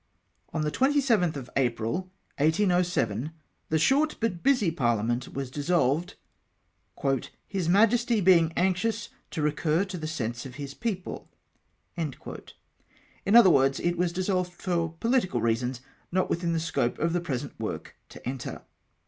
On the 27tli of April, 1807, the short but busy par Hament was dissolved, " his Miijesty being anxious to recur to the sense of his people." In other words, it was dissolved for pohtical reasons not within the scope of the present work to enter.